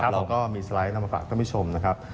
เราก็มีสไลด์นำมาฝากท่านผู้ชมนะครับ